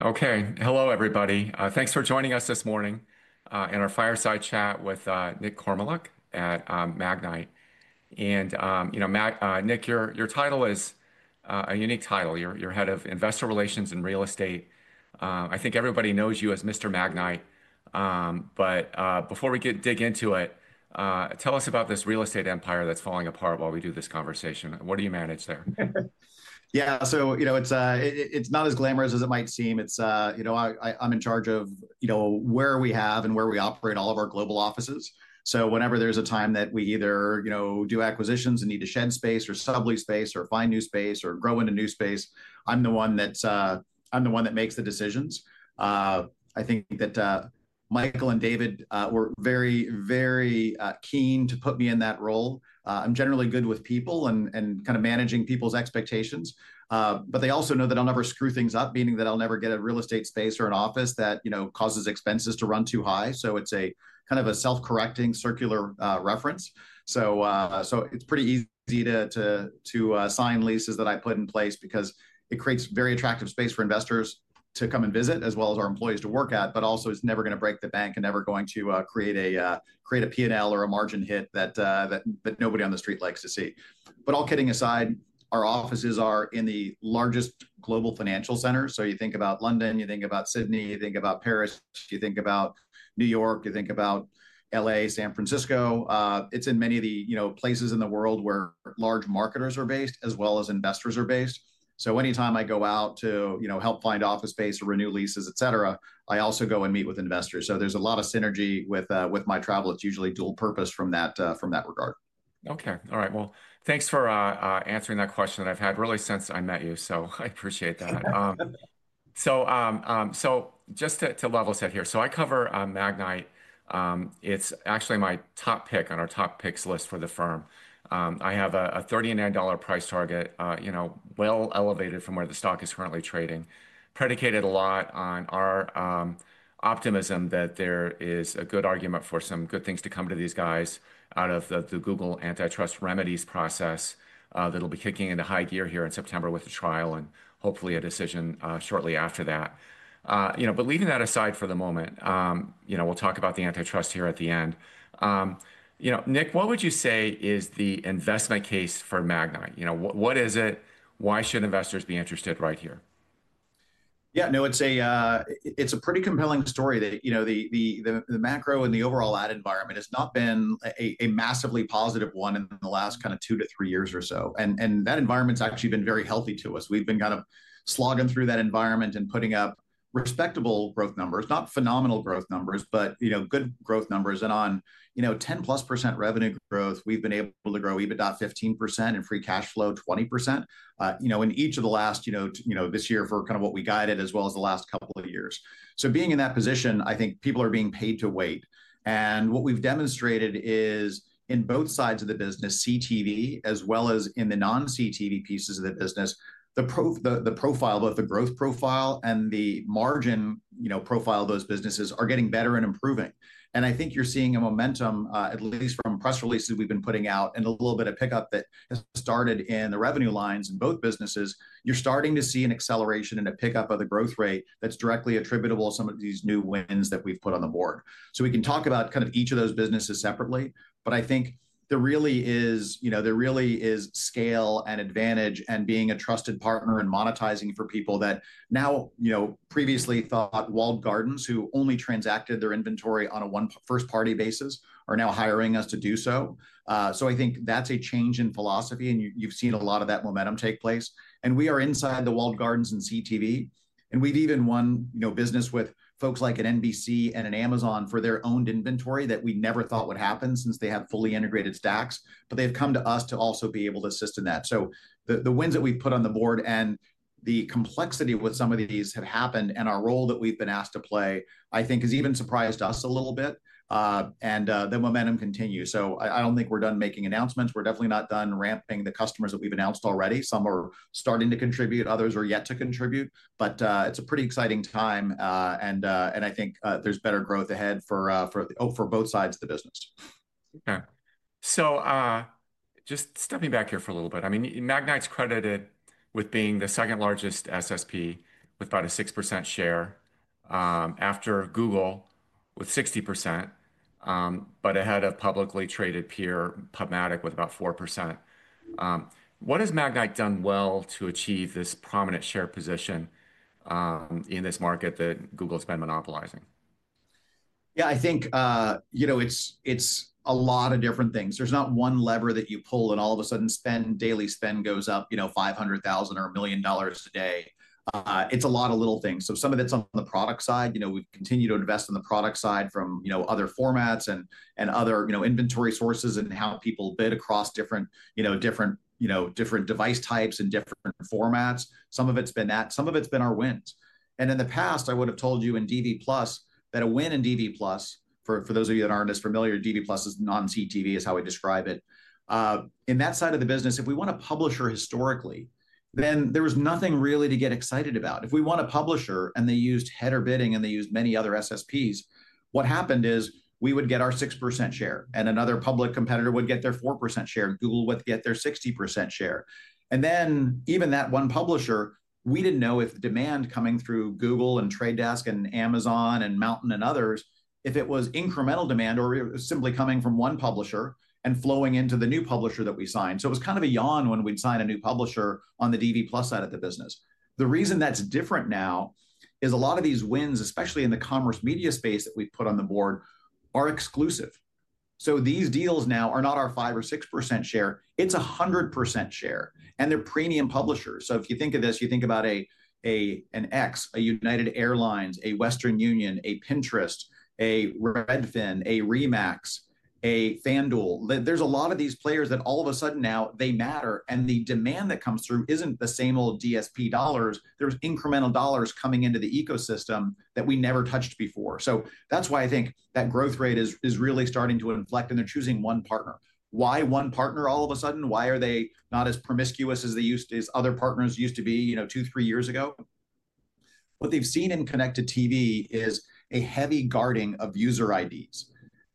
Okay, hello everybody. Thanks for joining us this morning in our fireside chat with Nick Kormoluk at Magnite. You know, Nick, your title is a unique title. You're Head of Investor Relations and Real Estate. I think everybody knows you as Mr. Magnite. Before we dig into it, tell us about this real estate empire that's falling apart while we do this conversation. What do you manage there? Yeah, so you know, it's not as glamorous as it might seem. I'm in charge of where we have and where we operate all of our global offices. Whenever there's a time that we either do acquisitions and need to shed space or sublease space or find new space or grow into new space, I'm the one that makes the decisions. I think that Michael and David were very, very keen to put me in that role. I'm generally good with people and kind of managing people's expectations. They also know that I'll never screw things up, meaning that I'll never get a real estate space or an office that causes expenses to run too high. It's a kind of a self-correcting circular reference. It's pretty easy to sign leases that I put in place because it creates very attractive space for investors to come and visit, as well as our employees to work at. It's never going to break the bank and never going to create a P&L or a margin hit that nobody on the street likes to see. All kidding aside, our offices are in the largest global financial centers. You think about London, you think about Sydney, you think about Paris, you think about New York, you think about L.A., San Francisco. It's in many of the places in the world where large marketers are based, as well as investors are based. Anytime I go out to help find office space or renew leases, et cetera, I also go and meet with investors. There's a lot of synergy with my travel. It's usually dual purpose from that regard. Okay, all right. Thanks for answering that question that I've had really since I met you. I appreciate that. Just to level set here, I cover Magnite. It's actually my top pick on our top picks list for the firm. I have a $30 million price target, elevated from where the stock is currently trading, predicated a lot on our optimism that there is a good argument for some good things to come to these guys out of the Google antitrust remedies process that'll be kicking into high gear here in September with the trial and hopefully a decision shortly after that. Leaving that aside for the moment, we'll talk about the antitrust here at the end. Nick, what would you say is the investment case for Magnite? What is it? Why should investors be interested right here? Yeah, no, it's a pretty compelling story that, you know, the macro and the overall ad environment has not been a massively positive one in the last kind of two to three years or so. That environment's actually been very healthy to us. We've been kind of slogging through that environment and putting up respectable growth numbers, not phenomenal growth numbers, but, you know, good growth numbers. On, you know, 10%+ revenue growth, we've been able to grow EBITDA 15% and free cash flow 20%, you know, in each of the last, you know, this year for kind of what we guided, as well as the last couple of years. Being in that position, I think people are being paid to wait. What we've demonstrated is in both sides of the business, CTV as well as in the non-CTV pieces of the business, the profile, both the growth profile and the margin profile of those businesses are getting better and improving. I think you're seeing a momentum, at least from press releases we've been putting out and a little bit of pickup that has started in the revenue lines in both businesses. You're starting to see an acceleration and a pickup of the growth rate that's directly attributable to some of these new wins that we've put on the board. We can talk about kind of each of those businesses separately. I think there really is, you know, there really is scale and advantage and being a trusted partner and monetizing for people that now, you know, previously thought walled gardens who only transacted their inventory on a first-party basis are now hiring us to do so. I think that's a change in philosophy. You've seen a lot of that momentum take place. We are inside the walled gardens in CTV. We've even won business with folks like an NBC and an Amazon for their owned inventory that we never thought would happen since they have fully integrated stacks. They've come to us to also be able to assist in that. The wins that we've put on the Board and the complexity with some of these have happened and our role that we've been asked to play, I think, has even surprised us a little bit. The momentum continues. I don't think we're done making announcements. We're definitely not done ramping the customers that we've announced already. Some are starting to contribute. Others are yet to contribute. It's a pretty exciting time. I think there's better growth ahead for both sides of the business. Okay. Just stepping back here for a little bit, I mean, Magnite's credited with being the second largest SSP with about a 6% share after Google with 60%, but ahead of publicly traded peer PubMatic with about 4%. What has Magnite done well to achieve this prominent share position in this market that Google's been monopolizing? Yeah, I think it's a lot of different things. There's not one lever that you pull and all of a sudden daily spend goes up, you know, $500,000 or $1 million a day. It's a lot of little things. Some of it's on the product side. We continue to invest in the product side from other formats and other inventory sources and how people bid across different device types and different formats. Some of it's been that. Some of it's been our wins. In the past, I would have told you in DV+ that a win in DV+, for those of you that aren't as familiar, DV+ is non-CTV, is how we describe it. In that side of the business, if we won a publisher historically, then there was nothing really to get excited about. If we won a publisher and they used header bidding and they used many other SSPs, what happened is we would get our 6% share and another public competitor would get their 4% share and Google would get their 60% share. Even that one publisher, we didn't know if the demand coming through Google and The Trade Desk and Amazon and Mountain and others, if it was incremental demand or it was simply coming from one publisher and flowing into the new publisher that we signed. It was kind of a yawn when we'd sign a new publisher on the DV+ side of the business. The reason that's different now is a lot of these wins, especially in the commerce media space that we've put on the board, are exclusive. These deals now are not our 5% or 6% share. It's a 100% share. They're premium publishers. If you think of this, you think about an X, a United Airlines, a Western Union, a Pinterest, a Redfin, a REMAX, a FanDuel. There's a lot of these players that all of a sudden now they matter. The demand that comes through isn't the same old DSP dollars. There's incremental dollars coming into the ecosystem that we never touched before. That's why I think that growth rate is really starting to inflect and they're choosing one partner. Why one partner all of a sudden? Why are they not as promiscuous as they used to, as other partners used to be, you know, two, three years ago? What they've seen in connected TV is a heavy guarding of user IDs,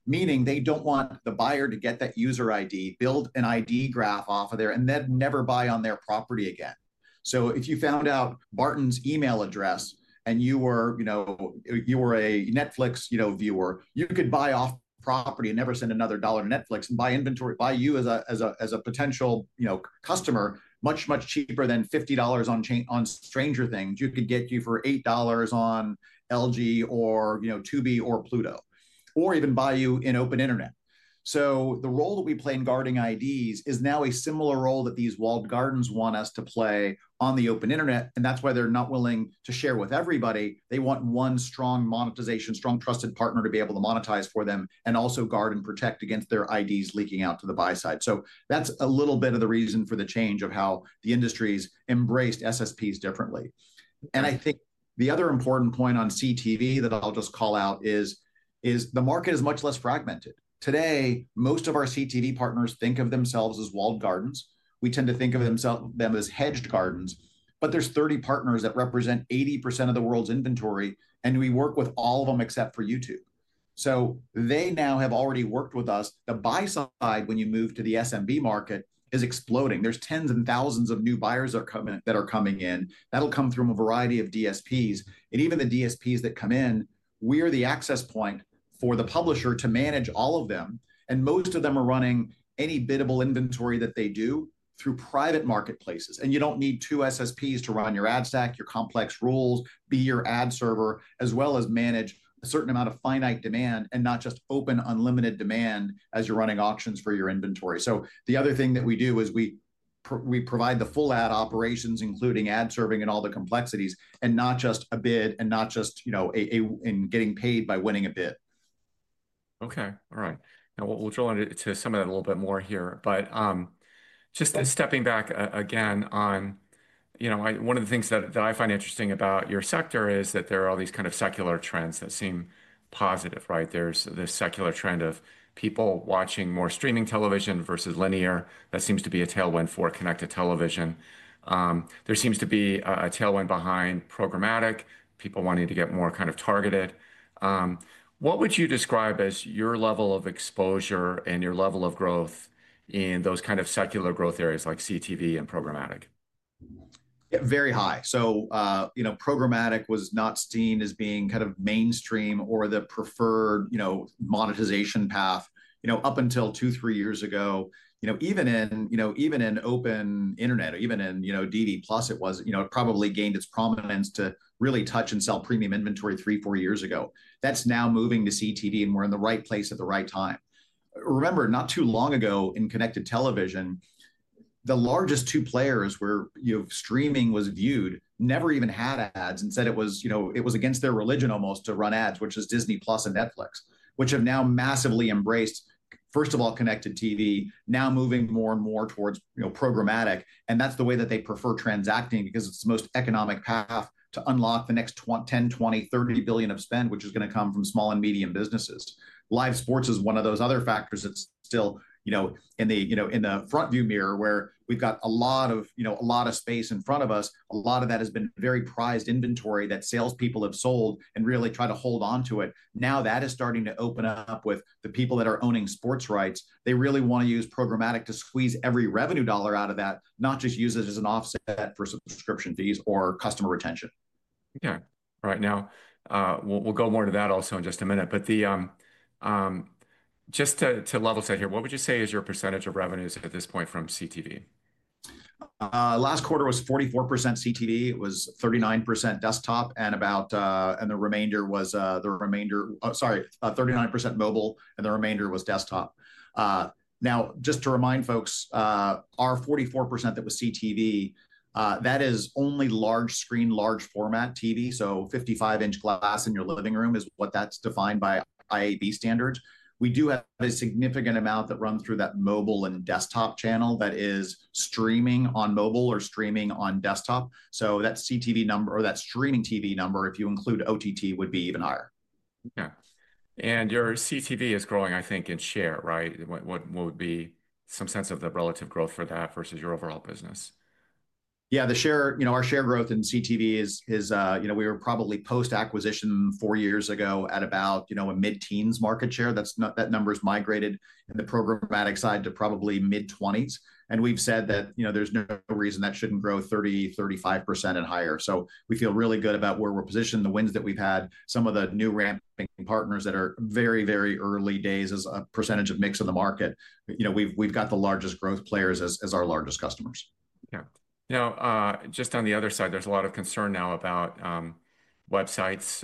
meaning they don't want the buyer to get that user ID, build an ID graph off of there, and then never buy on their property again. If you found out Barton's email address and you were, you know, you were a Netflix viewer, you could buy off property and never send another dollar to Netflix, buy inventory, buy you as a potential, you know, customer much, much cheaper than $50 on Stranger Things. You could get you for $8 on LG or, you know, Tubi or Pluto, or even buy you in open internet. The role that we play in guarding IDs is now a similar role that these walled gardens want us to play on the open internet. That's why they're not willing to share with everybody. They want one strong monetization, strong trusted partner to be able to monetize for them and also guard and protect against their IDs leaking out to the buy side. That's a little bit of the reason for the change of how the industry's embraced SSPs differently. I think the other important point on CTV that I'll just call out is the market is much less fragmented. Today, most of our CTV partners think of themselves as walled gardens. We tend to think of them as hedged gardens. There are 30 partners that represent 80% of the world's inventory, and we work with all of them except for YouTube. They now have already worked with us. The buy side, when you move to the SMB market, is exploding. There are tens and thousands of new buyers that are coming in. That'll come through a variety of DSPs. Even the DSPs that come in, we are the access point for the publisher to manage all of them. Most of them are running any biddable inventory that they do through private marketplaces. You don't need two SSPs to run your ad stack, your complex rules, be your ad server, as well as manage a certain amount of finite demand and not just open unlimited demand as you're running auctions for your inventory. The other thing that we do is we provide the full ad operations, including ad serving and all the complexities, and not just a bid and not just, you know, getting paid by winning a bid. Okay, all right. Now we'll drill into some of that a little bit more here. Just stepping back again on, you know, one of the things that I find interesting about your sector is that there are all these kind of secular trends that seem positive, right? There's this secular trend of people watching more streaming television versus linear. That seems to be a tailwind for connected TV. There seems to be a tailwind behind programmatic, people wanting to get more kind of targeted. What would you describe as your level of exposure and your level of growth in those kind of secular growth areas like CTV and programmatic? Very high. Programmatic was not seen as being kind of mainstream or the preferred monetization path up until two, three years ago. Even in open internet or even in DV+ it probably gained its prominence to really touch and sell premium inventory three, four years ago. That's now moving to CTV and we're in the right place at the right time. Remember, not too long ago in connected TV, the largest two players where streaming was viewed never even had ads. Instead, it was against their religion almost to run ads, which is Disney+ and Netflix, which have now massively embraced, first of all, connected TV, now moving more and more towards programmatic. That's the way that they prefer transacting because it's the most economic path to unlock the next $10 billion, $20 billion, $30 billion of spend, which is going to come from small and medium businesses. Live sports is one of those other factors that's still in the front view mirror where we've got a lot of space in front of us. A lot of that has been very prized inventory that salespeople have sold and really tried to hold on to it. Now that is starting to open up with the people that are owning sports rights. They really want to use programmatic to squeeze every revenue dollar out of that, not just use it as an offset for subscription fees or customer retention. Okay, all right. Now we'll go more to that also in just a minute. Just to level set here, what would you say is your percentage of revenues at this point from CTV? Last quarter was 44% CTV. It was 39% mobile and the remainder was desktop. Just to remind folks, our 44% that was CTV, that is only large screen, large format TV. So 55 in glass in your living room is what that's defined by IAB standards. We do have a significant amount that runs through that mobile and desktop channel that is streaming on mobile or streaming on desktop. That CTV number or that streaming TV number, if you include OTT, would be even higher. Okay. Your CTV is growing, I think, in share, right? What would be some sense of the relative growth for that versus your overall business? Yeah, the share, you know, our share growth in CTV is, you know, we were probably post-acquisition four years ago at about, you know, a mid-teens market share. That number's migrated in the programmatic side to probably mid-20s. We've said that, you know, there's no reason that shouldn't grow 30%, 35% and higher. We feel really good about where we're positioned, the wins that we've had, some of the new ramping partners that are very, very early days as a percentage of mix in the market. We've got the largest growth players as our largest customers. Yeah. Now, just on the other side, there's a lot of concern now about websites.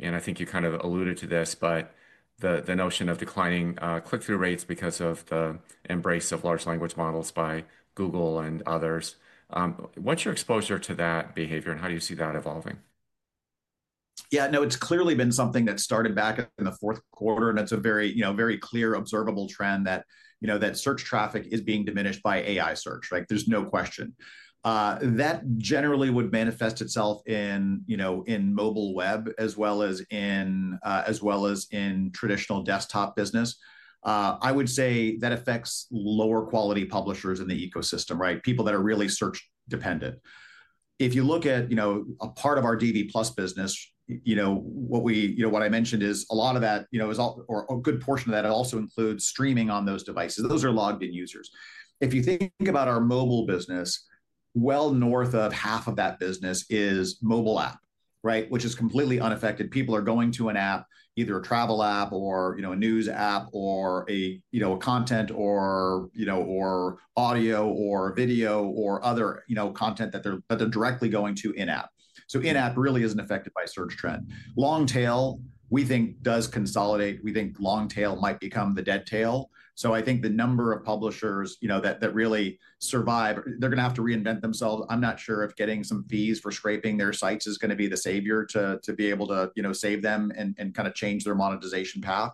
I think you kind of alluded to this, but the notion of declining click-through rates because of the embrace of large language models by Google and others. What's your exposure to that behavior and how do you see that evolving? Yeah, no, it's clearly been something that started back in the fourth quarter. It's a very clear, observable trend that search traffic is being diminished by AI-powered search, right? There's no question. That generally would manifest itself in mobile web as well as in traditional desktop business. I would say that affects lower quality publishers in the ecosystem, right? People that are really search dependent. If you look at a part of our DV+ business, what I mentioned is a lot of that is all, or a good portion of that, it also includes streaming on those devices. Those are logged in users. If you think about our mobile business, well north of half of that business is mobile app, right? Which is completely unaffected. People are going to an app, either a travel app or a news app or a content or audio or video or other content that they're directly going to in-app. In-app really isn't affected by search trend. Long tail, we think, does consolidate. We think long tail might become the dead tail. I think the number of publishers that really survive, they're going to have to reinvent themselves. I'm not sure if getting some fees for scraping their sites is going to be the savior to be able to save them and kind of change their monetization path.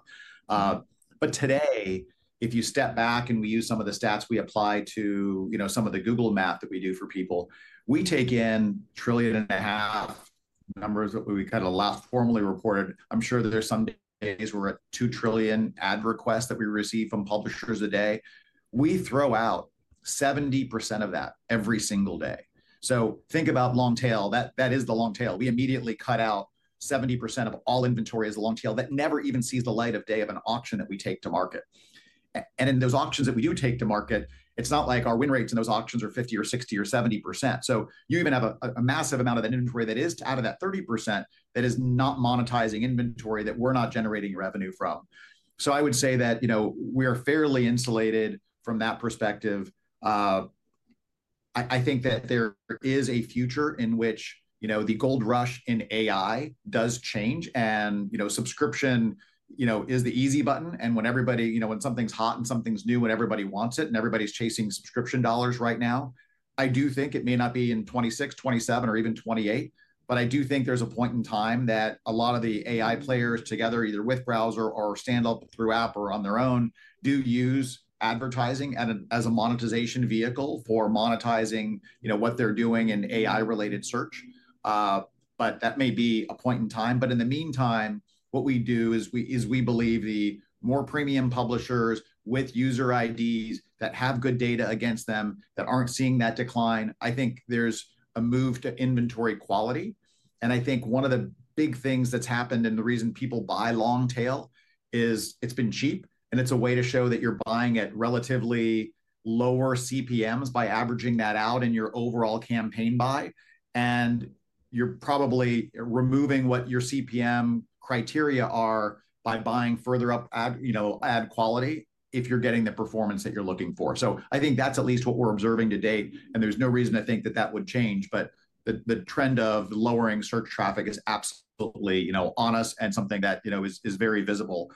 Today, if you step back and we use some of the stats we apply to some of the Google math that we do for people, we take in trillion and a half numbers that we kind of laugh, formally reported. I'm sure there's some days where we're at 2 trillion ad requests that we receive from publishers a day. We throw out 70% of that every single day. Think about long tail. That is the long tail. We immediately cut out 70% of all inventory as a long tail that never even sees the light of day of an auction that we take to market. In those auctions that we do take to market, it's not like our win rates in those auctions are 50% or 60% or 70%. You even have a massive amount of that inventory that is out of that 30% that is not monetizing inventory that we're not generating revenue from. I would say that we are fairly insulated from that perspective. I think that there is a future in which the gold rush in AI does change and subscription is the easy button. When something's hot and something's new, when everybody wants it and everybody's chasing subscription dollars right now, I do think it may not be in 2026, 2027, or even 2028, but I do think there's a point in time that a lot of the AI players together, either with browser or stand-up through app or on their own, do use advertising as a monetization vehicle for monetizing what they're doing in AI-related search. That may be a point in time. In the meantime, what we do is we believe the more premium publishers with user IDs that have good data against them that aren't seeing that decline, there's a move to inventory quality. One of the big things that's happened and the reason people buy long tail is it's been cheap and it's a way to show that you're buying at relatively lower CPMs by averaging that out in your overall campaign buy. You're probably removing what your CPM criteria are by buying further up ad quality if you're getting the performance that you're looking for. That's at least what we're observing to date. There's no reason to think that would change. The trend of lowering search traffic is absolutely honest and something that is very visible.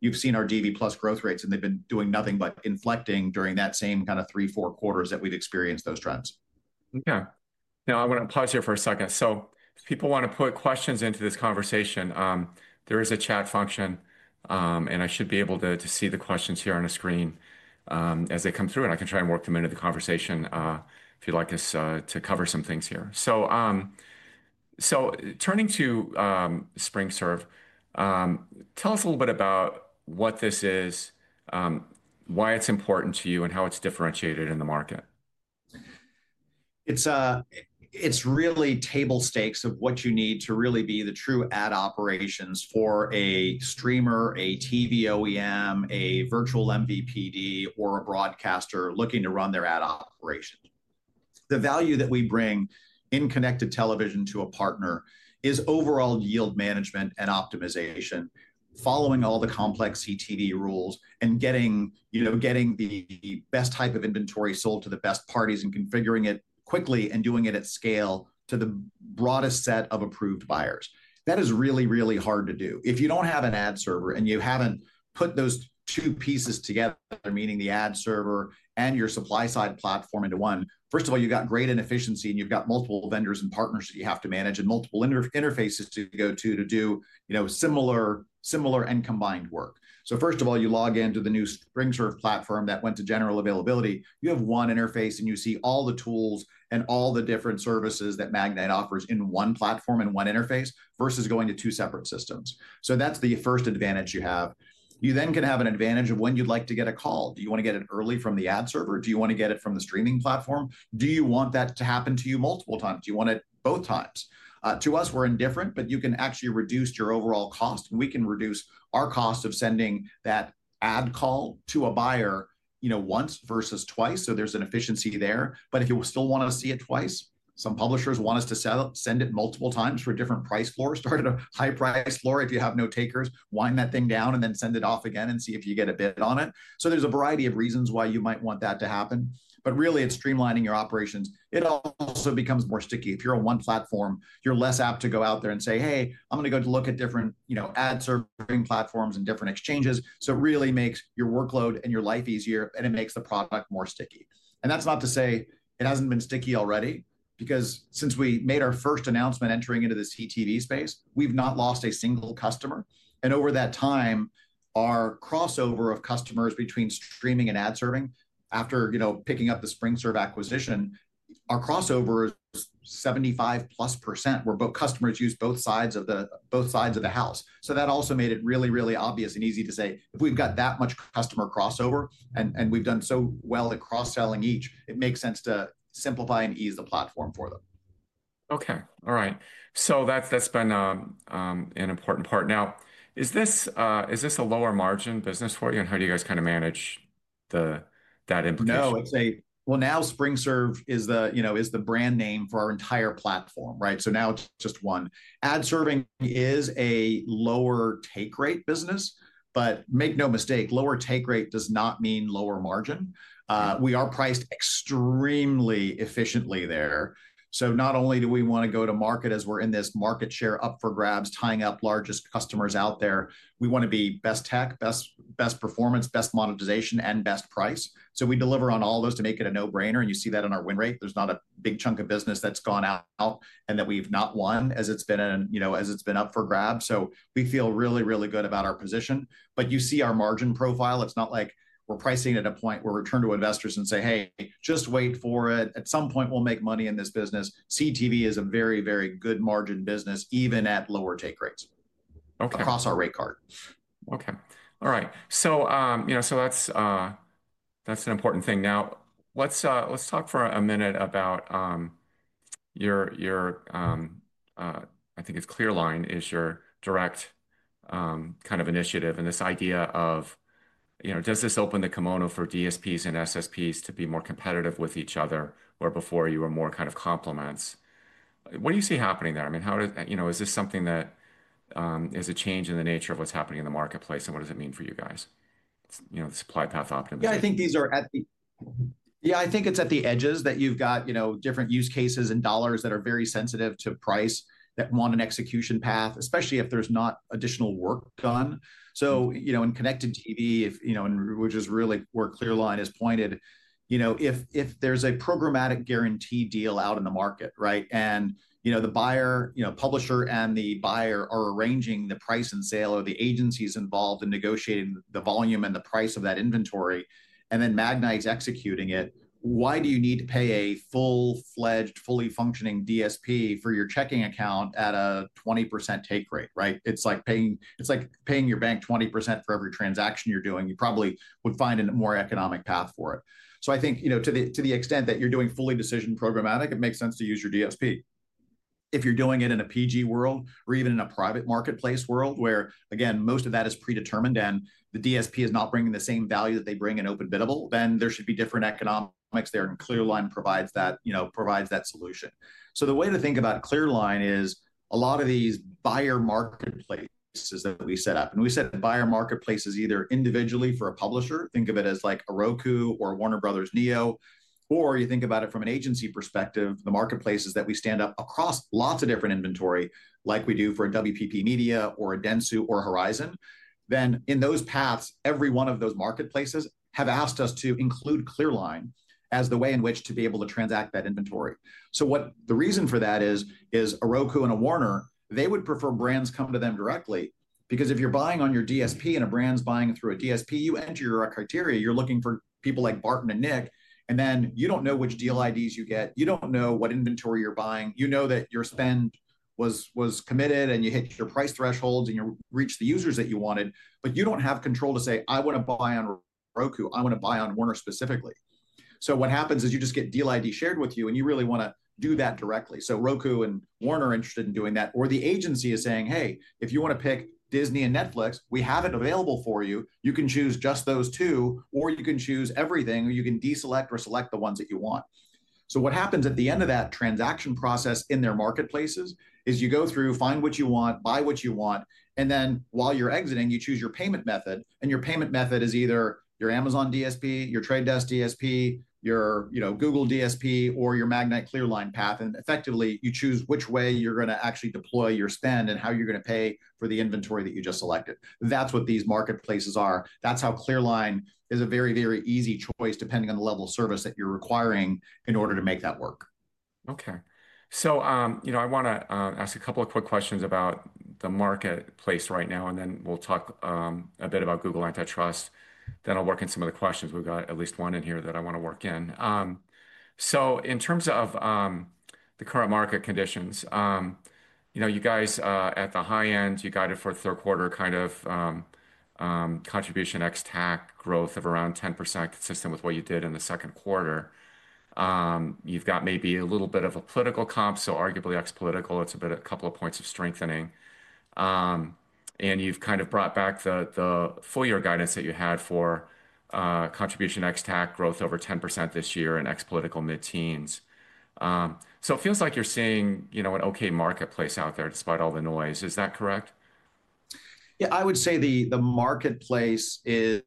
You've seen our DV+ growth rates and they've been doing nothing but inflecting during that same kind of three, four quarters that we've experienced those trends. Okay. Now I want to pause here for a second. If people want to put questions into this conversation, there is a chat function. I should be able to see the questions here on the screen as they come through. I can try and work them into the conversation if you'd like us to cover some things here. Turning to SpringServe, tell us a little bit about what this is, why it's important to you, and how it's differentiated in the market. It's really table stakes of what you need to really be the true ad operations for a streamer, a TV OEM, a virtual MVPD, or a broadcaster looking to run their ad operation. The value that we bring in connected TV to a partner is overall yield management and optimization, following all the complex CTV rules and getting the best type of inventory sold to the best parties and configuring it quickly and doing it at scale to the broadest set of approved buyers. That is really, really hard to do. If you don't have an ad server and you haven't put those two pieces together, meaning the ad server and your supply-side platform into one, first of all, you've got great inefficiency and you've got multiple vendors and partners that you have to manage and multiple interfaces to go to to do similar and combined work. First of all, you log into the new SpringServe platform that went to general availability. You have one interface and you see all the tools and all the different services that Magnite offers in one platform and one interface versus going to two separate systems. That's the first advantage you have. You then can have an advantage of when you'd like to get a call. Do you want to get it early from the ad server? Do you want to get it from the streaming platform? Do you want that to happen to you multiple times? Do you want it both times? To us, we're indifferent, but you can actually reduce your overall cost. We can reduce our cost of sending that ad call to a buyer once versus twice. There's an efficiency there. If you still want to see it twice, some publishers want us to send it multiple times for different price floors. Start at a high price floor, if you have no takers, wind that thing down, and then send it off again and see if you get a bid on it. There's a variety of reasons why you might want that to happen. Really, it's streamlining your operations. It also becomes more sticky. If you're on one platform, you're less apt to go out there and say, "Hey, I'm going to go look at different ad serving platforms and different exchanges." It really makes your workload and your life easier. It makes the product more sticky. That's not to say it hasn't been sticky already because since we made our first announcement entering into the CTV space, we've not lost a single customer. Over that time, our crossover of customers between streaming and ad serving, after picking up the SpringServe acquisition, our crossover is 75%+ where both customers use both sides of the house. That also made it really, really obvious and easy to say if we've got that much customer crossover and we've done so well at cross-selling each, it makes sense to simplify and ease the platform for them. Okay. All right. That's been an important part. Now, is this a lower margin business for you? How do you guys kind of manage that implication? No, I would say now SpringServe is the brand name for our entire platform, right? Now it's just one. Ad serving is a lower take rate business, but make no mistake, lower take rate does not mean lower margin. We are priced extremely efficiently there. Not only do we want to go to market as we're in this market share up for grabs, tying up largest customers out there, we want to be best tech, best performance, best monetization, and best price. We deliver on all those to make it a no-brainer. You see that in our win rate. There's not a big chunk of business that's gone out and that we've not won as it's been up for grabs. We feel really, really good about our position. You see our margin profile. It's not like we're pricing at a point where we turn to investors and say, "Hey, just wait for it. At some point, we'll make money in this business." CTV is a very, very good margin business even at lower take rates across our rate card. Okay. All right. That's an important thing. Now, let's talk for a minute about your, I think it's ClearLine, your direct kind of initiative and this idea of, you know, does this open the kimono for DSPs and SSPs to be more competitive with each other where before you were more kind of complements? What do you see happening there? I mean, how does, you know, is this something that is a change in the nature of what's happening in the marketplace? What does it mean for you guys? You know, the supply path optimization. I think these are at the edges that you've got different use cases and dollars that are very sensitive to price that want an execution path, especially if there's not additional work done. In connected TV, which is really where ClearLine is pointed, if there's a programmatic guaranteed deal out in the market, and the buyer, publisher, and the buyer are arranging the price and sale or the agency is involved in negotiating the volume and the price of that inventory, and then Magnite's executing it, why do you need to pay a full-fledged, fully functioning DSP for your checking account at a 20% take rate? It's like paying your bank 20% for every transaction you're doing. You probably would find a more economic path for it. To the extent that you're doing fully decision programmatic, it makes sense to use your DSP. If you're doing it in a PG world or even in a private marketplace world where most of that is predetermined and the DSP is not bringing the same value that they bring in open biddable, there should be different economics there. ClearLine provides that solution. The way to think about ClearLine is a lot of these buyer marketplaces that we set up. We set buyer marketplaces either individually for a publisher. Think of it as like a Roku or Warner Brothers Neo. Or you think about it from an agency perspective, the marketplaces that we stand up across lots of different inventory, like we do for a WPP Media or a Dentsu or Horizon. In those paths, every one of those marketplaces has asked us to include ClearLine as the way in which to be able to transact that inventory. The reason for that is a Roku and a Warner, they would prefer brands come to them directly because if you're buying on your DSP and a brand's buying through a DSP, you enter your criteria. You're looking for people like Barton and Nick. You don't know which deal IDs you get. You don't know what inventory you're buying. You know that your spend was committed and you hit your price thresholds and you reached the users that you wanted. You don't have control to say, "I want to buy on Roku. I want to buy on Warner specifically." What happens is you just get deal ID shared with you and you really want to do that directly. Roku and Warner are interested in doing that. The agency is saying, "Hey, if you want to pick Disney and Netflix, we have it available for you. You can choose just those two. You can choose everything. You can deselect or select the ones that you want." What happens at the end of that transaction process in their marketplaces is you go through, find what you want, buy what you want. While you're exiting, you choose your payment method. Your payment method is either your Amazon DSP, your Trade Desk DSP, your Google DSP, or your Magnite ClearLine path. Effectively, you choose which way you're going to actually deploy your spend and how you're going to pay for the inventory that you just selected. That's what these marketplaces are. That's how ClearLine is a very, very easy choice depending on the level of service that you're requiring in order to make that work. Okay. I want to ask a couple of quick questions about the marketplace right now. Then we'll talk a bit about Google antitrust. I'll work on some of the questions. We've got at least one in here that I want to work in. In terms of the current market conditions, you guys at the high end, you guided for the third quarter kind of contribution ex-tac growth of around 10% consistent with what you did in the second quarter. You've got maybe a little bit of a political comp, so arguably ex-political, it's a bit of a couple of points of strengthening. You've kind of brought back the full-year guidance that you had for contribution ex-tac growth over 10% this year and ex-political mid-teens. It feels like you're seeing an okay marketplace out there despite all the noise. Is that correct? Yeah, I would say the marketplace is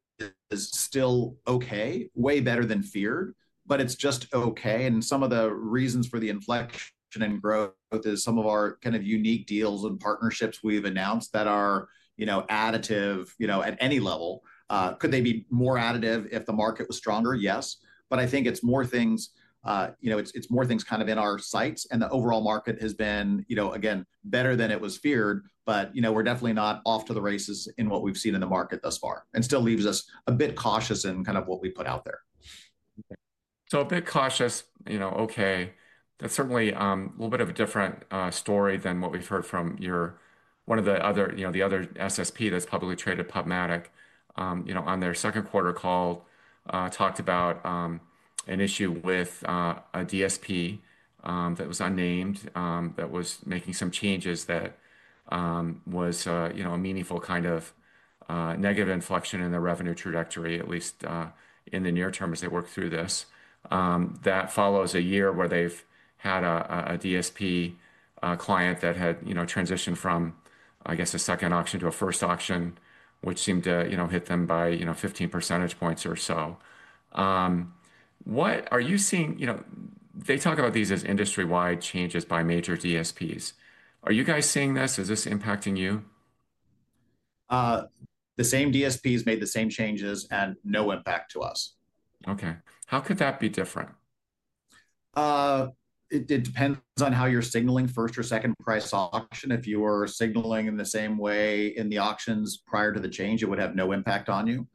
still okay, way better than feared, but it's just okay. Some of the reasons for the inflection in growth are some of our kind of unique deals and partnerships we've announced that are additive at any level. Could they be more additive if the market was stronger? Yes. I think it's more things in our sights. The overall market has been, again, better than it was feared. We're definitely not off to the races in what we've seen in the market thus far and it still leaves us a bit cautious in what we put out there. A bit cautious, you know, okay. That's certainly a little bit of a different story than what we've heard from one of the other, you know, the other SSP that's publicly traded, PubMatic, you know, on their second quarter call talked about an issue with a DSP that was unnamed that was making some changes that was, you know, a meaningful kind of negative inflection in their revenue trajectory, at least in the near term as they work through this. That follows a year where they've had a DSP client that had, you know, transitioned from, I guess, a second auction to a first auction, which seemed to, you know, hit them by, you know, 15% or so. What are you seeing, you know, they talk about these as industry-wide changes by major DSPs. Are you guys seeing this? Is this impacting you? The same DSPs made the same changes, and no impact to us. Okay, how could that be different? It depends on how you're signaling first or second price auction. If you were signaling in the same way in the auctions prior to the change, it would have no impact on you.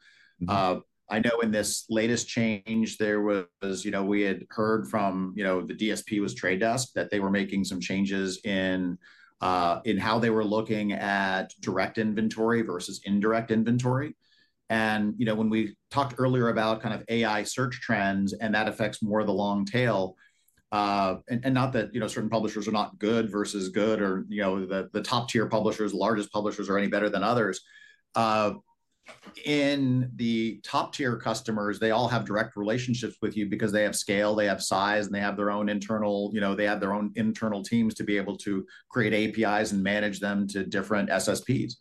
I know in this latest change, we had heard from the DSP was Trade Desk that they were making some changes in how they were looking at direct inventory versus indirect inventory. When we talked earlier about kind of AI-powered search trends and that affects more of the long tail, and not that certain publishers are not good versus good or the top tier publishers, the largest publishers are any better than others. In the top tier customers, they all have direct relationships with you because they have scale, they have size, and they have their own internal teams to be able to create APIs and manage them to different SSPs.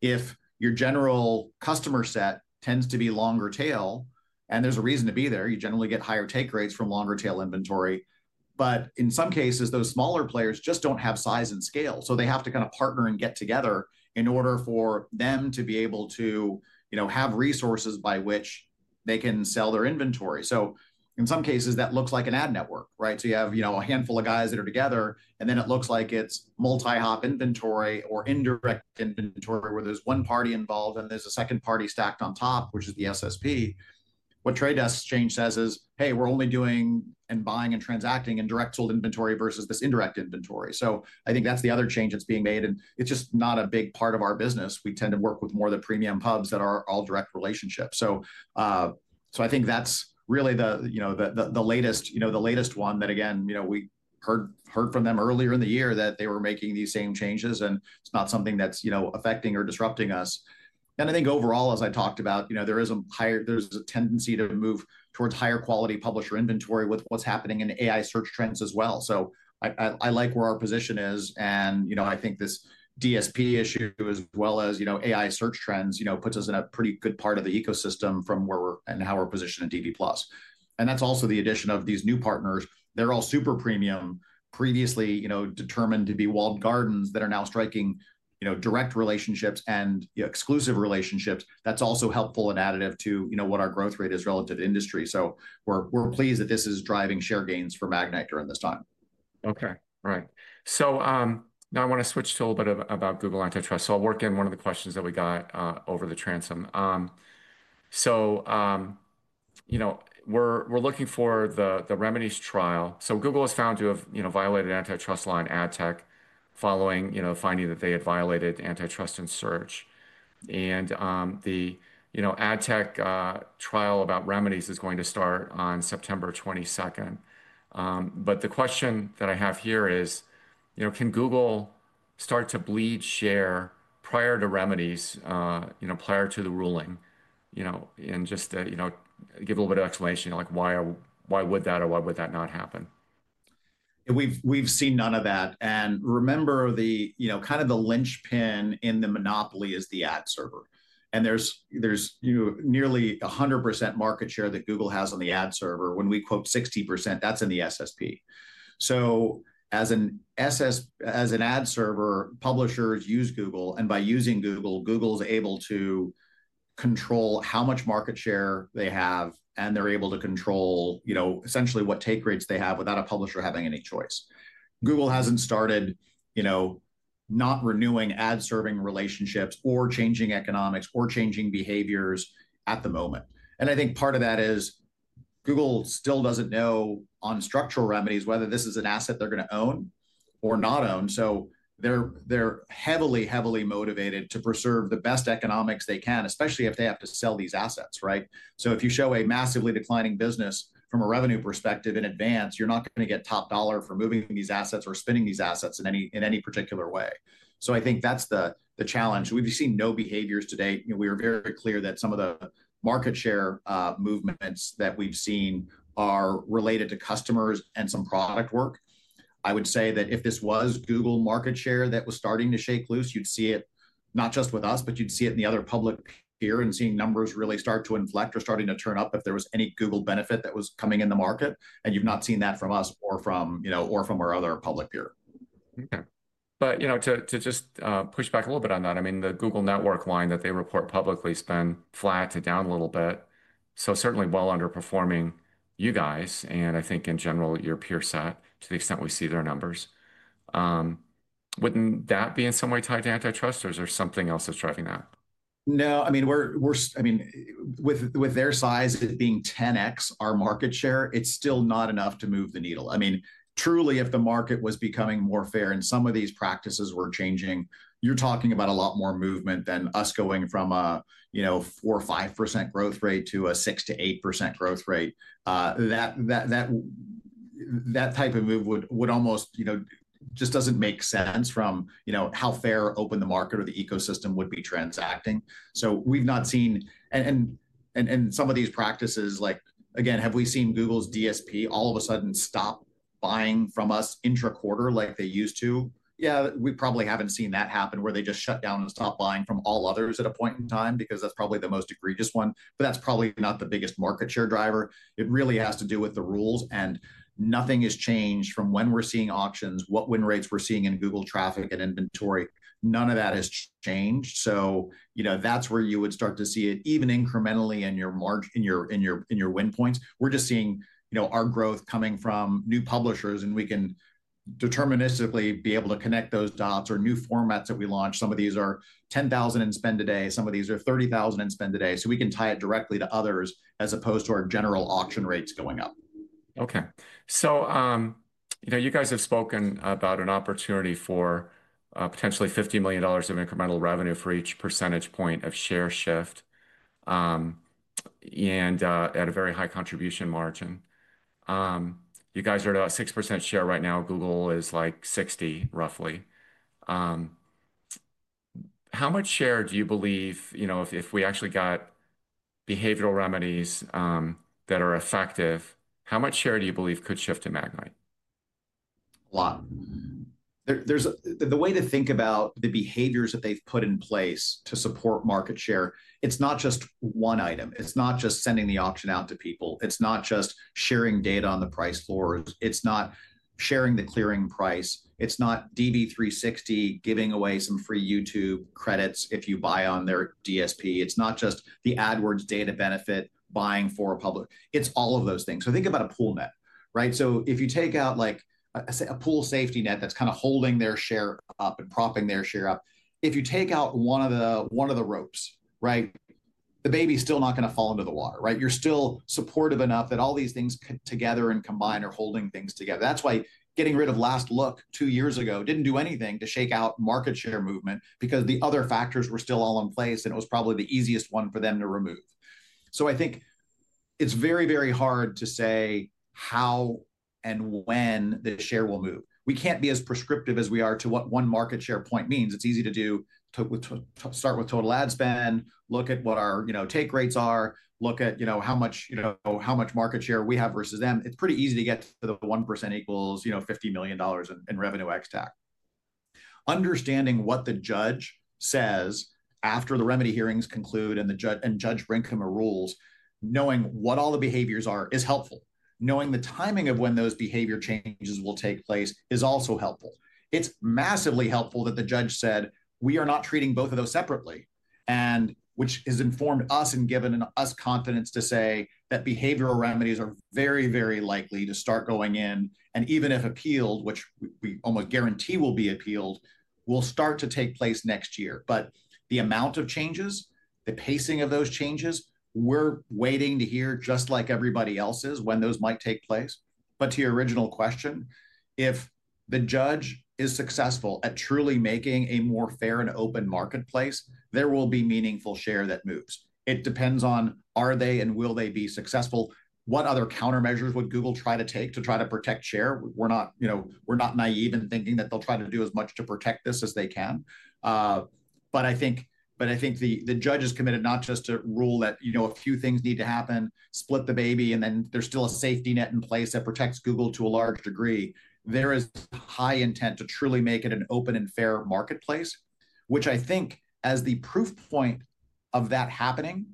If your general customer set tends to be longer tail, and there's a reason to be there, you generally get higher take rates from longer tail inventory. In some cases, those smaller players just don't have size and scale. They have to kind of partner and get together in order for them to be able to have resources by which they can sell their inventory. In some cases, that looks like an ad network, right? You have a handful of guys that are together. Then it looks like it's multi-hop inventory or indirect inventory where there's one party involved and there's a second party stacked on top, which is the SSP. What Trade Desk change says is, "Hey, we're only doing and buying and transacting in direct sold inventory versus this indirect inventory." I think that's the other change that's being made. It's just not a big part of our business. We tend to work with more of the premium pubs that are all direct relationships. I think that's really the latest one that, again, we heard from them earlier in the year that they were making these same changes. It's not something that's affecting or disrupting us. I think overall, as I talked about, there is a higher, there's a tendency to move towards higher quality publisher inventory with what's happening in AI-powered search trends as well. I like where our position is. I think this DSP issue, as well as AI-powered search trends, puts us in a pretty good part of the ecosystem from where we are and how we're positioned at DV+. That's also the addition of these new partners. They're all super premium, previously determined to be walled gardens that are now striking direct relationships and exclusive relationships. That's also helpful and additive to what our growth rate is relative to industry. We're pleased that this is driving share gains for Magnite during this time. Okay. All right. Now I want to switch to a little bit about Google antitrust. I'll work in one of the questions that we got over the transom. We're looking for the remedies trial. Google is found to have violated antitrust law in ad tech following finding that they had violated antitrust in search. The ad tech trial about remedies is going to start on September 22, 2023. The question that I have here is, can Google start to bleed share prior toremedies, prior to the ruling, and just give a little bit of explanation like why would that or why would that not happen? We've seen none of that. Remember, the linchpin in the monopoly is the ad server. There's nearly 100% market share that Google has on the ad server. When we quote 60%, that's in the SSP. As an ad server, publishers use Google, and by using Google, Google's able to control how much market share they have. They're able to control essentially what take rates they have without a publisher having any choice. Google hasn't started not renewing ad serving relationships or changing economics or changing behaviors at the moment. I think part of that is Google still doesn't know on structural remedies whether this is an asset they're going to own or not own. They're heavily, heavily motivated to preserve the best economics they can, especially if they have to sell these assets, right? If you show a massively declining business from a revenue perspective in advance, you're not going to get top dollar for moving these assets or spinning these assets in any particular way. I think that's the challenge. We've seen no behaviors today. We are very clear that some of the market share movements that we've seen are related to customers and some product work. I would say that if this was Google market share that was starting to shake loose, you'd see it not just with us, but you'd see it in the other public peer and seeing numbers really start to inflect or starting to turn up if there was any Google benefit that was coming in the market. You've not seen that from us or from our other public peer. Okay, to just push back a little bit on that, the Google network line that they report publicly has been flat to down a little bit. Certainly, well underperforming you guys. I think in general, your peer set to the extent we see their numbers, wouldn't that be in some way tied to antitrust? Or is there something else that's driving that? No. I mean, with their size being 10x our market share, it's still not enough to move the needle. Truly, if the market was becoming more fair and some of these practices were changing, you're talking about a lot more movement than us going from a 4% or 5% growth rate to a 6%-8% growth rate. That type of move just doesn't make sense from how fair or open the market or the ecosystem would be transacting. We've not seen, and some of these practices, like, again, have we seen Google's DSP all of a sudden stop buying from us intra-quarter like they used to? Yeah, we probably haven't seen that happen where they just shut down the top line from all others at a point in time because that's probably the most egregious one. That's probably not the biggest market share driver. It really has to do with the rules. Nothing has changed from when we're seeing auctions, what win rates we're seeing in Google traffic and inventory. None of that has changed. That's where you would start to see it even incrementally in your market, in your win points. We're just seeing our growth coming from new publishers. We can deterministically be able to connect those dots or new formats that we launch. Some of these are $10,000 in spend a day. Some of these are $30,000 in spend a day. We can tie it directly to others as opposed to our general auction rates going up. Okay. You guys have spoken about an opportunity for potentially $50 million of incremental revenue for each percentage point of share shift and at a very high contribution margin. You guys are at a 6% share right now. Google is like 60% roughly. How much share do you believe, if we actually got behavioral remedies that are effective, how much share do you believe could shift to Magnite? A lot. The way to think about the behaviors that they've put in place to support market share, it's not just one item. It's not just sending the auction out to people. It's not just sharing data on the price floor. It's not sharing the clearing price. It's not DV360 giving away some free YouTube credits if you buy on their DSP. It's not just the AdWords data benefit buying for a public. It's all of those things. Think about a pool net, right? If you take out like a pool safety net that's kind of holding their share up and propping their share up, if you take out one of the ropes, the baby's still not going to fall into the water, right? You're still supportive enough that all these things together and combined are holding things together. That's why getting rid of Last Look two years ago didn't do anything to shake out market share movement because the other factors were still all in place. It was probably the easiest one for them to remove. I think it's very, very hard to say how and when the share will move. We can't be as prescriptive as we are to what one market share point means. It's easy to do to start with total ad spend, look at what our, you know, take rates are, look at, you know, how much, you know, how much market share we have versus them. It's pretty easy to get to the 1% equals $50 million in revenue ex-tack. Understanding what the judge says after the Remini hearings conclude and the judge rinkham rules, knowing what all the behaviors are is helpful. Knowing the timing of when those behavior changes will take place is also helpful. It's massively helpful that the judge said, "We are not treating both of those separately," which has informed us and given us confidence to say that behavioral remedies are very, very likely to start going in. Even if appealed, which we almost guarantee will be appealed, will start to take place next year. The amount of changes, the pacing of those changes, we're waiting to hear just like everybody else is when those might take place. To your original question, if the judge is successful at truly making a more fair and open marketplace, there will be meaningful share that moves. It depends on are they and will they be successful. What other countermeasures would Google try to take to try to protect share? We're not, you know, we're not naive in thinking that they'll try to do as much to protect this as they can. I think the judge is committed not just to rule that a few things need to happen, split the baby, and then there's still a safety net in place that protects Google to a large degree. There is high intent to truly make it an open and fair marketplace, which I think as the proof point of that happening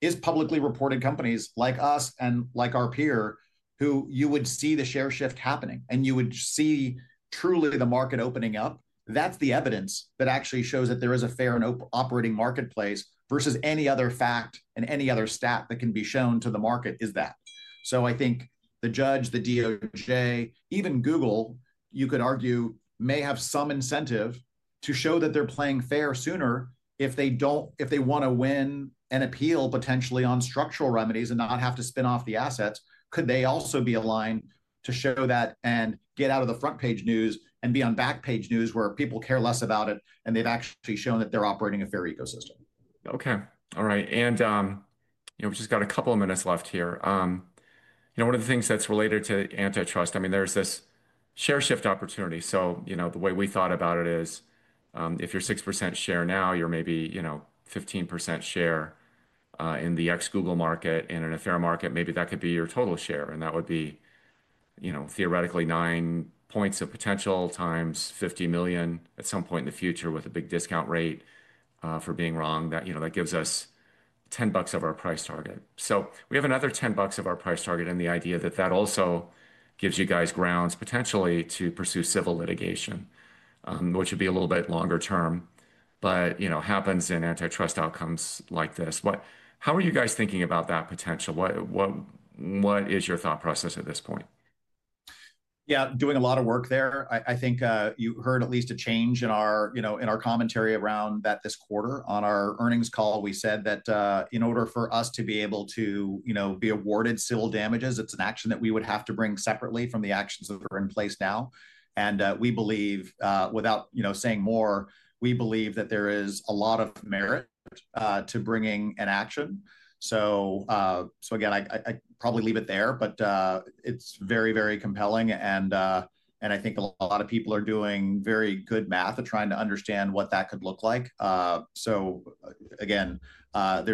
is publicly reported companies like us and like our peer who you would see the share shift happening. You would see truly the market opening up. That's the evidence that actually shows that there is a fair and open operating marketplace versus any other fact and any other stat that can be shown to the market is that. I think the judge, the DOJ, even Google, you could argue may have some incentive to show that they're playing fair sooner if they don't, if they want to win an appeal potentially on structural remedies and not have to spin off the assets. Could they also be aligned to show that and get out of the front page news and be on back page news where people care less about it and they've actually shown that they're operating a fair ecosystem? Okay. All right. We've just got a couple of minutes left here. One of the things that's related to antitrust, there's this share shift opportunity. The way we thought about it is if you're 6% share now, you're maybe 15% share in the ex-Google market and in a fair market, maybe that could be your total share. That would be theoretically nine points of potential times $50 million at some point in the future with a big discount rate for being wrong. That gives us $10 of our price target. We have another $10 of our price target and the idea that that also gives you guys grounds potentially to pursue civil litigation, which would be a little bit longer term, but happens in antitrust outcomes like this. How are you guys thinking about that potential? What is your thought process at this point? Yeah, doing a lot of work there. I think you heard at least a change in our commentary around that this quarter on our earnings call. We said that in order for us to be able to be awarded civil damages, it's an action that we would have to bring separately from the actions that are in place now. We believe, without saying more, we believe that there is a lot of merit to bringing an action. I'd probably leave it there, but it's very, very compelling. I think a lot of people are doing very good math at trying to understand what that could look like. There are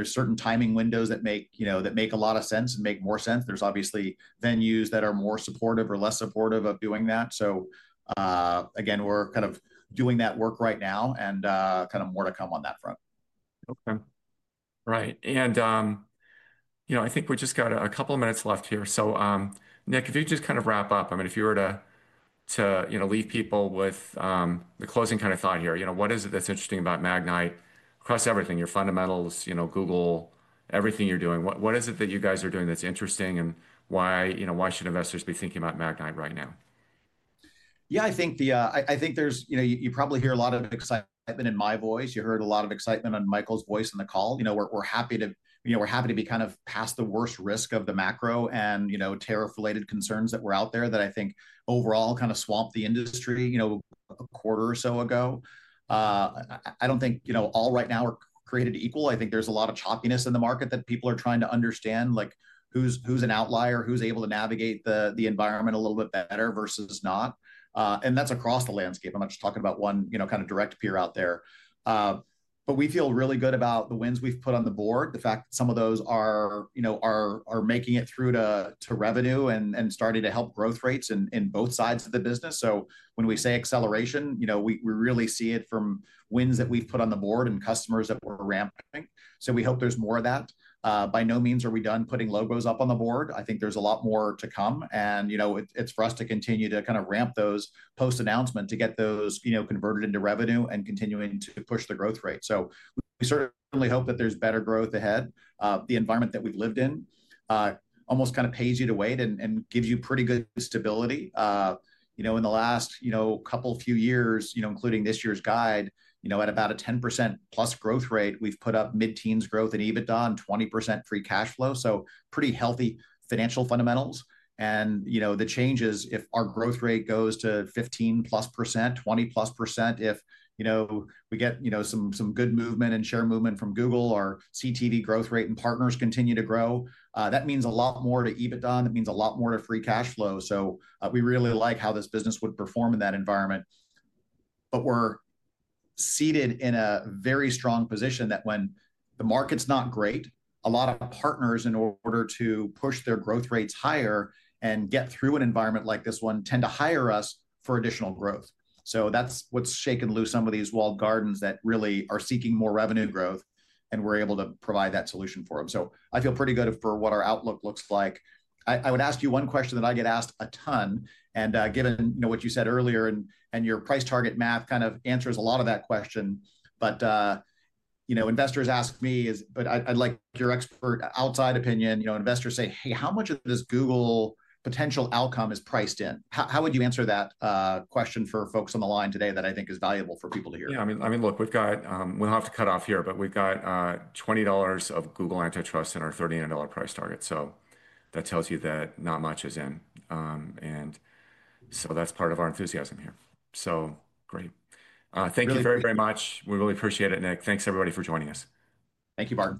certain timing windows that make a lot of sense and make more sense. There are obviously venues that are more supportive or less supportive of doing that. We're kind of doing that work right now and more to come on that front. All right. I think we just got a couple of minutes left here. Nick, if you could just kind of wrap up, if you were to leave people with the closing kind of thought here, what is it that's interesting about Magnite across everything, your fundamentals, Google, everything you're doing? What is it that you guys are doing that's interesting and why should investors be thinking about Magnite right now? Yeah, I think there's, you know, you probably hear a lot of excitement in my voice. You heard a lot of excitement in Michael's voice in the call. We're happy to be kind of past the worst risk of the macro and tariff-related concerns that were out there that I think overall kind of swamped the industry a quarter or so ago. I don't think all right now are created equal. I think there's a lot of choppiness in the market that people are trying to understand, like who's an outlier, who's able to navigate the environment a little bit better versus not. That's across the landscape. I'm not just talking about one kind of direct peer out there. We feel really good about the wins we've put on the board, the fact that some of those are making it through to revenue and starting to help growth rates in both sides of the business. When we say acceleration, we really see it from wins that we've put on the board and customers that we're ramping. We hope there's more of that. By no means are we done putting logos up on the board. I think there's a lot more to come. It's for us to continue to kind of ramp those post-announcement to get those converted into revenue and continuing to push the growth rate. We certainly hope that there's better growth ahead. The environment that we've lived in almost kind of pays you to wait and gives you pretty good stability. In the last couple few years, including this year's guide, at about a 10%+ growth rate, we've put up mid-teens growth in EBITDA and 20% free cash flow. Pretty healthy financial fundamentals. The changes if our growth rate goes to 15%+ or 20%+, if we get some good movement and share movement from Google or CTV growth rate and partners continue to grow, that means a lot more to EBITDA. That means a lot more to free cash flow. We really like how this business would perform in that environment. We're seated in a very strong position that when the market's not great, a lot of partners in order to push their growth rates higher and get through an environment like this one tend to hire us for additional growth. That's what's shaken loose some of these walled gardens that really are seeking more revenue growth. We're able to provide that solution for them. I feel pretty good for what our outlook looks like. I would ask you one question that I get asked a ton. Given what you said earlier and your price target math kind of answers a lot of that question, investors ask me, I'd like your expert outside opinion. Investors say, "Hey, how much of this Google potential outcome is priced in?" How would you answer that question for folks on the line today that I think is valuable for people to hear? Yeah, I mean, look, we have to cut off here, but we've got $20 of Google antitrust in our $30 million price target. That tells you that not much is in, and that's part of our enthusiasm here. Great. Thank you very, very much. We really appreciate it, Nick. Thanks everybody for joining us. Thank you, Bob.